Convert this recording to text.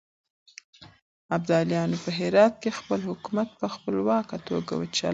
ابداليانو په هرات کې خپل حکومت په خپلواکه توګه چلاوه.